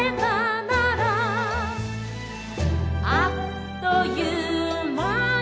「あっという間に」